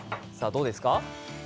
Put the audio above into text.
どうですか？